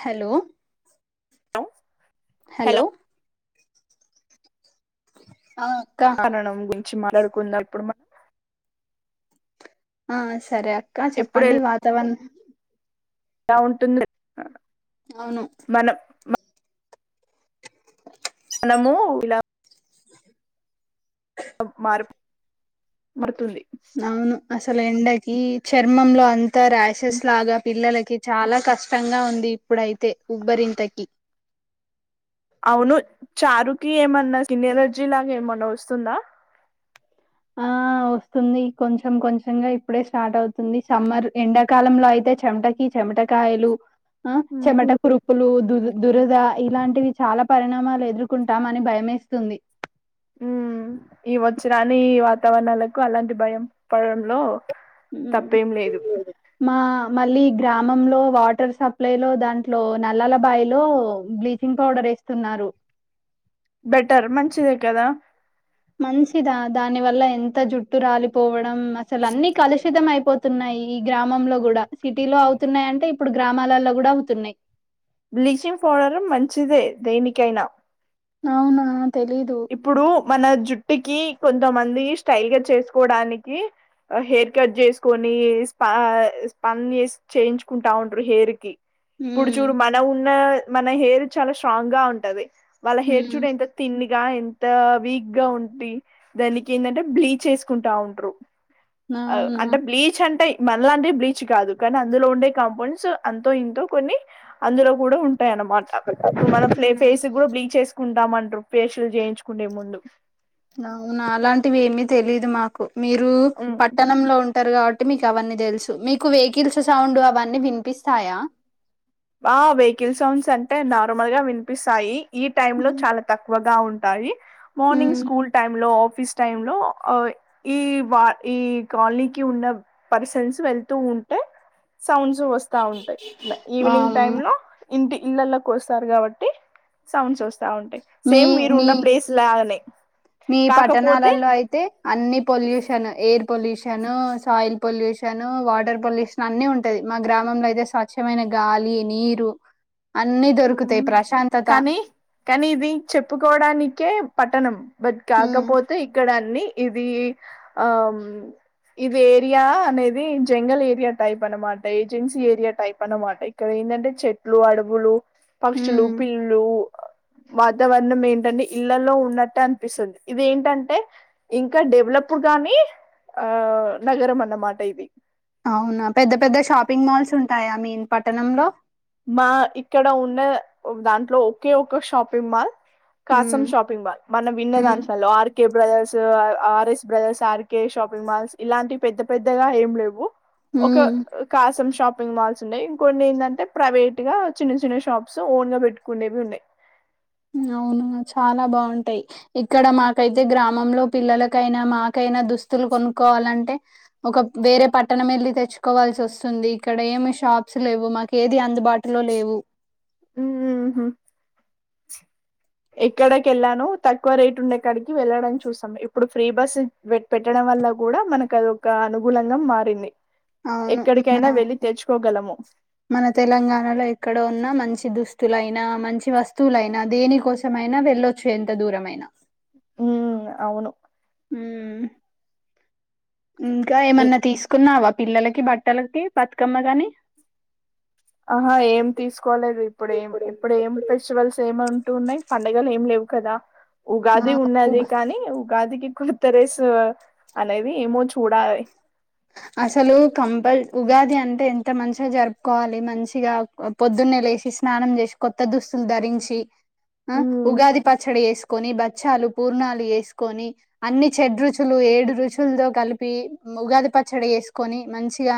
Hello hello hello ఆ అక్క కనడం గు మంచి మాట్లాడుకున్నప్పుడు మ ఆ సరే అ ఇంకా ఎప్పుడు చెప్పండి వాతావరణ్ ఎలా ఉంటుంద్ అవును మనము ఇలా మారిపొ మరుతుంది అవును అసలు ఎండయి ఈ చర్మంలో అం తా ర్యాషెస్ లాగా పిల్లలకి చాలా కష్టంగా ఉంది ఇప్పుడైతే ఉబ్బరింతకి అవును చారుకి ఏమన్నా స్కిన్ యలర్జీ లాగా ఏమన్నా వస్తుందా ఆ వస్తుంది కొంచెం కొంచెంగా ఇప్పుడే స్టార్ట్ అవుతుంది సమ్మర్ ఎండాకాలంలో అయితే చెమటకి చెమటకాయలు ఆ ఉమ్ చెమట కురుపులు దు దురద ఇలాంటివి చాలా పరిణామాలు ఎదుర్కొంటాం అని భయమేస్తుంది ఉ ఈ వచ్చి రాని ఈ వాతావరణాలకు అలాంటి భయం పడడంలో తప్పేం లేదు మా మళ్ళీ గ్రామంలో వాటర్ సప్లై లో దాంట్లో నల్లాల బాయిలో బ్లీచింగ్ పౌడర్ వేస్తున్నారు బెటర్ మంచిదే కదా మంచిదా దాని వల్ల ఎంత జుట్టు రాలిపోవడం అసలు అన్నిీ కలుషితం అయిపోతున్నాయి ఈ గ్రామంలో కూడా సిటీలో అవుతున్నాయి అంటే ఇప్పుడు గ్రామాలలో కూడా అవుతున్నాయి్ బ్లీచింగ్ పౌడరు మంచిదే దేనికైనా అవునా తెలీదు ఇప్పుడు మన జుట్టుకి కొంతమంది స్టైల్ గా చేసుకోవడానికి హెయిర్ కట్ చేసుకొని స్ప స్పన్ చేయించుకుంటా ఉంటారు హెయిర్ కి ఇప్పుడు హ్మ్ చూడు మన ఉన్న మన హెయిర్ చాలా స్ట్రాంగ్ గా ఉంటది వాళ్ళ హెయిర్ హ్మ్ చూడు ఎంత తిం ఎంత వీక్ గా ఉంటీ దానికి ఏంటంటే బ్లీచ్ వేసుకుంటా ఉంటరు అవునా అంటే బ్లీచ్ అంటాయి మనలాంటిే బ్లీచ్ కాదు కానీ అందులో ఉండే కంపోనెంట్స్ అంతో ఇంతో కొన్ని అందులో కూడా ఉ టాయ అనమాట ఇప్పుడు మనం హ్మ్ ఫేస్ కూడా బ్లీచ్ చేసుకుంటాంట ఫేషియల్ చేయించుకునే ముందు అవునా అలాంటివి ఏమి తెలీదు మాకు మీరు పట్టణంలో ఉ టరు కాబట్టి మీకు అవన్నీ తెలుసు మీకు వెహికల్స్ సౌండ్ అవన్నీ వినిపిస్తాయా ఆ వెహికల్ సౌండ్స్ అంటే నార్మల్ గా వినిపిస్తాయి ఈ టైమ్ లో చాలా తక్కువ ఉంటాయి మార్నింగ్ స్కూల్ టైమ్ లో ఫీస్ టైమ్ లో ఈ ఈ కాలనీకి ఉన్న పర్సన్స్ వెళ్తూ ఉంటే సౌండ్స్ వస్తా ఉంటాయి ఈవినింగ్ టైమ్ వామ్మో లో ఇంటి ఇల్లల్లో కోస్తారు కాబట్టి సౌండ్స్ వస్త తా ఉంటాయి మీ సేమ్ మీరు మీ ఉన్న ప్లేస్ లాగానే మీ కాకపోతే పట్టణాలలో అయితే అన్ని pollution air pollution soil pollution water pollution అన్ని ఉంటది మా గ్రామంలో అయితే స్వచ్ఛమైన గాలి నీరు అన్ని దొరుకుతాయి ప్రశాంతత కానీ కానీ ఇది చెప్పుకోవడానికే పట్టణం బట్ ఉమ్ కాకపోతే ఇక్కడ అన్నీ ఇది ఆ ఇది ఏరియా అనేది జంగల్ ఏరియా టైప్ అనమాట ఏజెన్సీ ఏరియా టైప్ అనమాట ఇక్కడ ఏందంటే చెట్లు అడవులు పక్షులు ఉమ్ పిల్లులు వాతావరణం ఏంటంటే ఇళ్లలో ఉన్నట్టే అనిపిస్తుంది ఇదేంటంటే ఇంకా డెవలప్ కాని ఆ నగరం అన్నమాట ఇది అవునా పెద్ద పెద్ద షాపింగ్ మాల్స్ ఉంటాయా మీన్ పట్టణంలో మా ఇక్కడ ఉన్న దాంట్లో ఒకే ఒక షాపింగ్ మాల్ ఉమ్ కాసం షాపింగ్ మాల్ మనం ఉమ్ విన్నదాంట్లలో RK brothers R S brothers R K shopping malls ఇలాంటి పెద్ద పెద్దగా ఏం లేవు ఒక ఉమ్ కాసం షాప్ పింగ్ మాల్స్ ఉన్నాయి ఇంకోన్ని ఏందంటే ప్రైవేట్ గా చిన్న చిన్న షాప్స్ ఓన్ గా పెట్టుకునేవి ఉన్నాయి అవును చాలా బావుంటాయి ఇక్కడ మాకైతే గ్రామంలో పిల్లలకైనా మాకైనా దు స్తులు కొనుక్కొవాలంటే ఒక వేరే పట్టణం ఎళ్ళి తెచ్చుకోవాల్సి వస్తుంది ఇక్కడ ఏమి షాప్స్ లేవు మాకు ఏది అందుబాటులో లేవు ఊహూ ఎక్కడకి వెళ్ళాను తక్కువ రేటు ఉండేకాడికి వెళ్ళడం చూసాం ఇప్పుడు ఫ్రీ బస్ పెట్టడం వల్ల కూడా మనకు అది ఒక అనుకూలంగా మారింది అవును ఎక్కడికైనా [unintelligible] వెళ్ళి తెచ్చుకోగలము మన తెలంగాణలో ఎక్కడ ఉన్నా మంచి దుస్ తులైనా మంచి వస్తువులైనా దేని కోసం అయినా వెళ్ళొచ్చు ఎంత దూరమైనా మ్మ్ అవును ఉమ్మ్ ఇంకా ఏమన్నా తీసుకున్నావా పిల్లలకి బట్టలకి బతుకమ్మ గాని ఆహా ఏం తీసుకోలేదు ఇప్పుడేం ఇప్పుడు ఏం ఫెస్టివల్స్ ఏమంటూ ఉన్నాయి పండగలేం లేవు కదా ఆ ఉగాది ఉగా ఉన్నది కానీ ఉగాదికి కుర్త్తరేస్ అనేది ఏమో చూడాలి అసలు కంపల్ ఉగాది అంత అ ఎంత మంచిగా జరుపుకోవాలి మంచిగా పొద్దున్నే లేసి స్నానం చేసి కొత్త దుస్తులు ధరించి ఆ ఉమ్, ఉగాది పచ్చడి వేసు కొని బచ్చాలు పూర్ణాలు వేసుకొని అన్ని షడ్రుచులు ఏడు రుచులతో కలిపి ఉగాది ప చ్చడి ఏసుకొని మంచిగా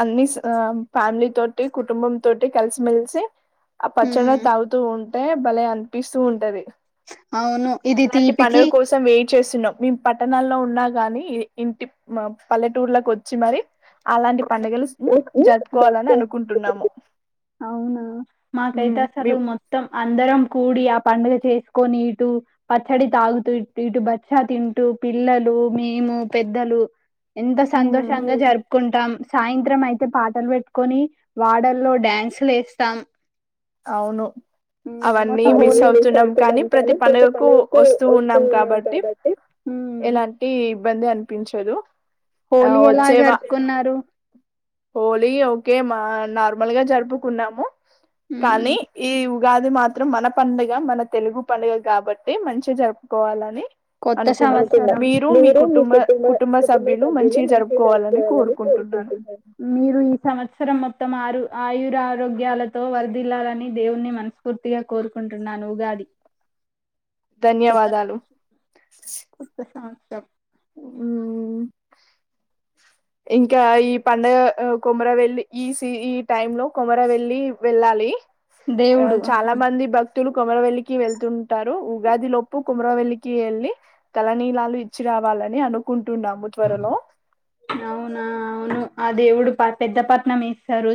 అన్నిస్ అ ఫ్యామిలీ తోటి కుటుంబం తోటి కలిసిమెలిసి ఆ పచ్చడ ఉమ్, తాగుతూ ఉన్ టే భలే అన్పిస్తూ ఉంటది అవును ఇది అలాంటి పనుల తీపికి కోసం వెయి చేసున్నాం మేము పట్టణాల్లో ఉన్నా గాని ఇంటి ఆ పల్లెటూర్లకి వచ్చి మరి అలాంటి పండగలు జరుపుకోవాలని గట్టు అనుకుంటున్నాము అవునా మాకైతే ఉమ్, అసలు మీ- మొత్తం అందరం కూడి ఆప పండుగ చేసుకొని ఇటు పచ్చడి తాగుతూ ఇటు బచ్చా తింటూ పిల్లలు మేము పెద్దలు ఎంతో ఉమ్. సంతోషంగా జరుపుకుంటాం సాయంత్రం అయితే పాటలు పెట్టుకొని వాడల్లో డ్యాన్స్ చులేస్తాం అవును అవన్నీ మిస్ అవుతున్నాం కానీ ప్రతి పండుగకు వస్తూ ఉన్నాం కాబట్టి ఎలాంటి ఇబ్బంది అనిపించదు. ఆ హోలీ ఎలా వచ్చేవా జరుపుకున్నారు హోలీ ఓకే మా నార్మల్ గా జరుపుకున్నాము మ్మ్ కానీ ఈ ఉ గాది మాత్రం మన పండుగ మన తెలుగు పండుగ కాబట్టి మంచిగా జరుపుకోవాలని కొత్త అనుకున్నాం సంవత్సరం మీరు మీ కుటుంబ కుటుంబ సభ్యులు మంచిగా జరుపుకోవాలని కోరుకుంటున్నాను మీరు ఈ సంవత్సరం మొత్తం ఆరు. ఆయురా ఆరోగ్యాలతో వరదిల్లాలని దేవుణ్ణి మనస్ఫూర్తిగా కోరుకుంటున్నాను ఉగాది. ధన్యవాదాలు [unintelligible] టం ఇంకా ఈ పండగ కొమర వెల్లి ఈ ఈ టైమ్ లో కొమర వెళ్లి వెళ్ళాలి దేవుడు క్తులు కొమరవెల్లికి వెళ్తుంటారు ఉగాదిలోపు కోమరవెల్లికి వెళ్లి తలనీలాలు ఇచ్చి రా, వాలని అనుకుం అవునా అవును అ దేవుడు పెద్ద పట్నం ఇస్తారు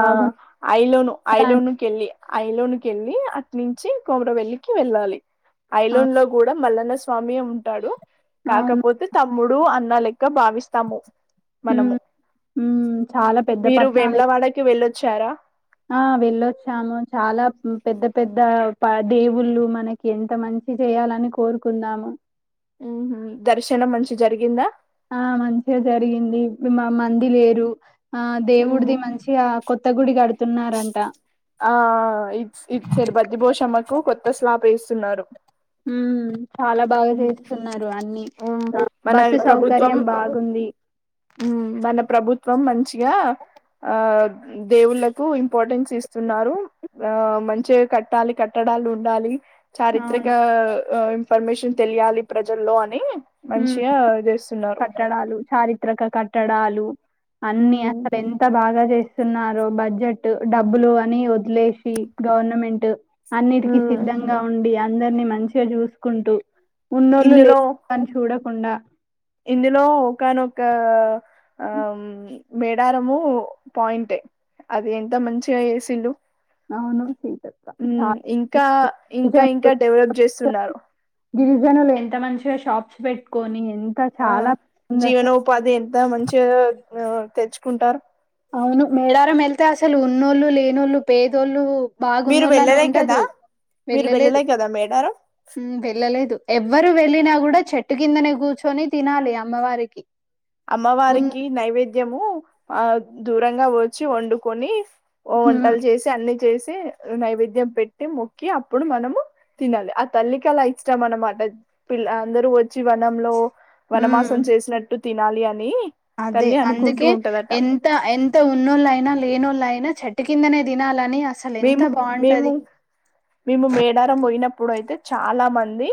ఆ ఐలోను ఐలోను కెళ్లి అఐలోనికి వెళ్ళలి అట్నుంచి కోమర వెల్లికి వెళ్ళాలి ఐలండ్ లో కూడా మళ్ళ స్వామి ఉంటాడు అవును కాకపోతే తమ్ముడు అన్న లెక్క భావిస్తాము మనము ఉమ్ ఉమ్ చాలా పెద్ద మీరు పట్టణాలు వేములవాడ వెలో వచ్చారా ఆ వెళ్ళొచ్చాము చాలా పెద్ద పెద్ద దేవుళ్ళు మనకి ఎంత మంచి చేయాలని కోరుకున్నాము మ్ దర్శనం మంచి జరిగిందా ఆ మంచిగా జరిగింది మంది లేరు ఆ ఓహో దేవుడిది మంచిగా కొత్త గుడి కడుతున్నారంట ఆ ఇ ఇది చిరి బద్ది భోషమ్మకు కొత్త స్లాప్ వేస్తున్నారు ఉమ్ చాలా బాగా చేస్తున్నారు అన్ని ఊమ్ ఆ మన బస్సు ప్రభుత్వం సౌకర్యం బాగుంది ఊమ్ మన ప్రభుత్వం మంచిగా ఆ దేవుళ్ళకు ఇంపార్టెన్స్ ఇస్తున్నారు ఆ మంచిగా కట్టాలి కట్టడాలు ఉండాలి చారిత్రక అవును ఇన్ఫర్మేషన్ తెలియాలి ప్రజల్లో అని ఉమ్ మంచిగా చేస్తున్నారు కట్టడాలు చారిత్రక కట్టడాలు అన్ని ఊమ్ అసలు ఎంత బాగా చేస్తున్నారు బడ్జెట్ డబ్బులు అని వదిలేసి గవర్నమెంట్ అన్నిటికిీ ఊమ్ సిద్ధంగా ఉండి యా అందరినీ మంచిగా చూసుకుంటూ ఉన్నోళ్ళు ఇందులో లేని వాళ్ళని చూడకుండా ఇందులో ఒకానొక ఆ మేడారము పాయింటే అది ఎంత మంచిగా చేసిళ్లు నవనూసి ఉమ్ ఇంకా ఇంకా గిరిజనులు ఇంకా డెవలప్ చేస్తున్నారు గిరిజనులు ఎంత మంచిగా షాప్స్ పెట్టుకొని ఎంత ఆ చాలా ఉంది జీవన అసలు ఉపాధి ఎంత మంచిగా తెచ్చు కుంటారు అవును మేడారం వెళ్తే అ అసలు ఉన్నోళ్ళు లేనోళ్ళు పేదోళ్ళు మీరు బాగున్నోళ్ళనే వెళ్ళలే కదా ఉండదు మీరు వెళ్ళలేదు వెళ్ళలే కదా మేడారం వెళ్ళలేదు ఎవ్వరు వెళ్ళిన కూడా చెట్ చెట్టు కిందనే కూర్చొని తినాలి అమ్మవారికి ఉన్ అమ్మవారికి నైవేద్యము ఆ దూరంగా వచ్చి వండుకొని ఓ ఉమ్ వంటలు చేసి అన్ని చేసి నైవేద్యం పెట్టి మొక్కి అప్పుడు మనము తినాలి ఆ తల్లికి అలా ఇష్టం అనమాట పిల్ల అందరూ వచ్చి వనంలో ఉమ్, వనమాసం చేసినట్టు తినాలి అని అదే తల్లి అనుకుంటూ అందుకే ఉంటదట ఎంత ఎంత ఉన్నోళ్ళ అయినా లేనోళ్ళ అయినా చెట్టు కిందనే తినాలని అసలు ఎంత మేము మేము బాగుంటది మేము మేడారం పోయినప్పుడు అయితే చాలా మంది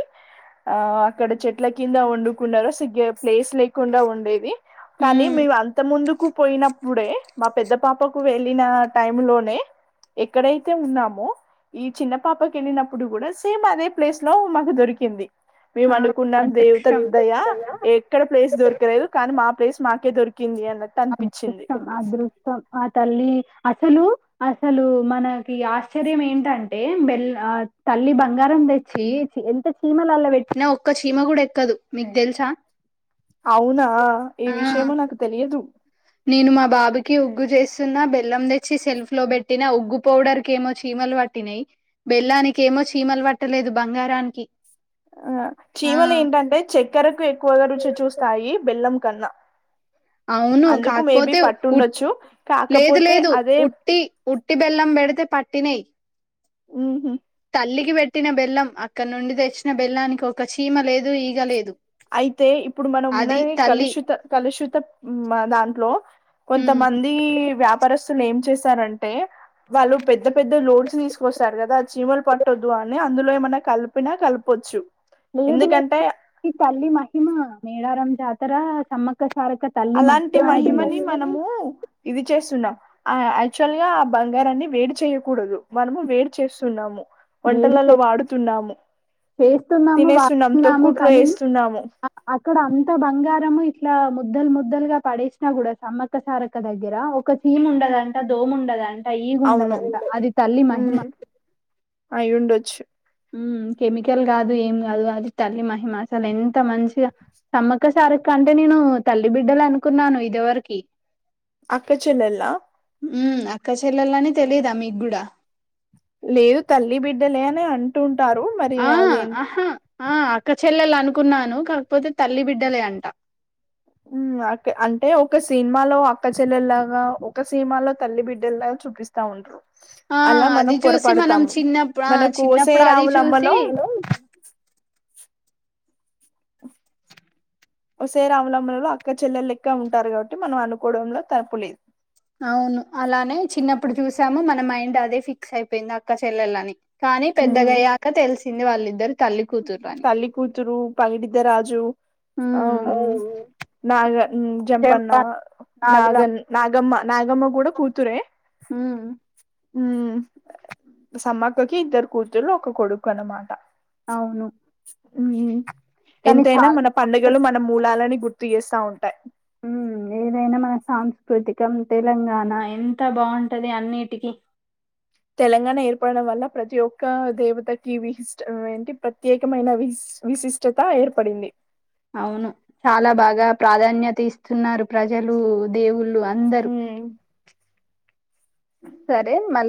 ఆ అక్కడ చెట్ల కింద వండుకున్నారు సరిగ్గా ప్లేస్ లేకుండా ఉండేది కానీ ఉమ్ మేవ అంత ముందుకు పోయినప్పుడే మా పెద్ద పాపకు వెళ్ళిన టైమ్ లోనే ఎక్కడైతే ఉన్నామో ఈ చిన్న పాపకి వెళ్ళినప్పుడు కూడా సేమ్ అదే ప్లేస్ లో మాకు దొరికింది మేము ఆ అనుకున్నాం దేవత దయ అదృష్టం ఎక్కడ ప్లేస్ దొరకలేదు కానీ మా ప్లేస్ మాకే దొరిక అదృష్టం అదృష్టం ఆ తల్లి అసలు అసలు మనకి ఆశ్చర్యం ఏంటంటే బెల్ తల్లి బంగారం తెచ్చి ఎంత చీమలల్ల పెట్టినా ఒక్క చీమ కూడా ఎక్కదు మీకు తెలుసా అవునా ఈ ఆ విషయమో నాకు తెలియదు నేను మా బాబుకి ఉగ్గు చేస్తున్న బెల్లం తెచ్చి షెల్ఫ్ లో పెట్టినా ఉగ్గు పౌడర్ క ఏమో చీమలు పట్టినాయి బెల్లానికి ఏమో చీమలు పట్టలేదు బంగారానికి ఆ ఆ చీమలు ఏంటంటే చక్కెరకు ఎక్కువగా రుచి చూస్తాయి బెల్లం కన్నా అవును అందుకు మేబీ కాకపోతే ఉట్ పట్టుండొచ్చు లేదు కాకపోతే లేదు అదే ఉట్టి ఉట్టి బెల్లం పెడితే పట్టినయి ఉహూ తల్లికి పెట్టిన బెల్లం అక్కడ నుండి తెచ్చిన బెల్లానికి ఒక చీమ లేదు ఈగ లేదు అయితే ఇప్పుడు మనం అది ఉన్నది తల్లి కలుషిత కలుషిత దాంట్లో ఉమ్ కొంతమంది వ్యాపారస్తులు ఏం చేస్త రంటే వాళ్ళు పెద్ద పెద్ద లోడ్స్ తీసుకొస్తారు కదా చీమలు పట్టొదు అని అందులో ఏమన్నా కలిపినా కలపొచ్చు లేదు లేదు ఎందుకంటే ఈ తల్లి మహి మ మేడారం జాతర సమ్మక సా అలాంటి మహిమని మనము ఇది చేస్తున్నాం ఆ యాక్చువల్ గా ఆ బంగారాన్ని వేడి చేయకూడదు మనము వేడి చేస్తున్నాము వేడు వంటలలో చే వాడుతున్నాము చేస్తున్నాము తినేస్తున్నాం వాడుతున్నాము తొక్కుట్లో కానీ వేస్తున్నాము అక్కడ అంత బంగారము ఇట్లా ముద్దల్ ముద్దలుగా పడేసినా కూడా సమ్మక్క సారక్క దగ్గర ఒక చీమ ఉండదు అంటా దోమ ఉండదు అంటా కదా ఈగ అవును ఉండదంతా అది తల్లి మహిమ అయి ఉండ వచ్చు ఉమ్ కెమికల్ కాదు ఏం కాదు అది తల్లి మహిమా అసల ఎంత మంచిగా సమ్మక్క సారక్క అంటే నేను తల్లి బిడ్డలు అనుకున్నాను ఇదివరకి అక్కచెల్లెల్లా ఉమ్ అక్క చెల్లెల అని తెలీదా మీకు కూడా లేదు తల్లి బిడ్డలే అని అంటుం ఆ ఆహా ఆ అక్క చెల్లెలు అనుకున్నాను కాకపోతే తల్లి బిడ్డలే అంట ఉమ్ అంటే ఒక సినిమాలో ప్రజల లాగా కొక్కసినీమాలో తల్లి బిడ్డలా గా చూపిస్తా ఉండ్రు ఆ అది చూసి మనం చిన్నప్పు ఆ మనకు ఓసే చిన్నప్పుడు అది చూసి రావులమ్మలో ఒసేయ్ రాములమ్ములలో అక్క చెల్లె లెక్క ఉంటారు కాబట్టి మనం అనుకోవడంలో తప్పులేదు అవును అలానే చిన్నప్పుడు చూసాము మ మన మైండ్ అదే ఫిక్స్ అయిపోయింది అక్క చెల్లెల అని కానీ పెద్దగ మ్ అయ్యాక తెలుసు సిన్ని వాళ్ళ ఇద్దరు తల్లి కూతురు పగిడత రాజు ఆ నాగ జంపన్న నాగులం నాగన్ నాగమ్మ నాగమ్మ కూడా కూతురే ఉమ్ ఉమ్ సమ్మక్కకి ఇద్దరు కూతుర్లు ఒక కొడుకు అనమాట అవును ఉమ్ కానీ ఎంతైనా చాలా మన పండుగలు మన మూలాలని గుర్తు చేస్తా ఉంటాయి. ఊ ఏదైనా మన సాంస్కృతికం తెలంగాణ ఎంత బాగుంటది అన్నిటికీ తెలంగాణ ఏర్పడడం వల్ల ప్రతి ఒక్క దేవతకి విశిష్ట ఏంటి ప్రత్యేకమైన విశి విశిష్టత ఏర్పడింది. అవును చాలా బాగా ప్రాధాన్యత ఇస్తున్నారు. ప్రజలు దేవుళ్ళు అందరూ మ్ సరే మళీ